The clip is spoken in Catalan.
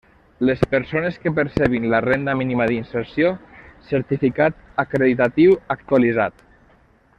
Les persones que percebin la Renda Mínima d'Inserció: certificat acreditatiu actualitzat.